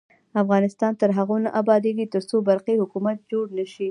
افغانستان تر هغو نه ابادیږي، ترڅو برقی حکومت جوړ نشي.